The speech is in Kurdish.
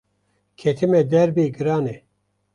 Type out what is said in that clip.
Ketime derbê giran e